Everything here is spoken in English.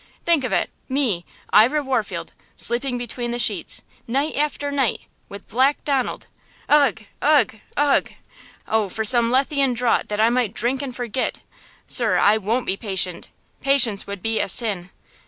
Think of it–me, Ira Warfield–sleeping between the sheets–night after night–with Black Donald! Ugh! ugh! ugh! Oh, for some lethean draught that I might drink and forget! Sir, I won't be patient! Patience would be a sin!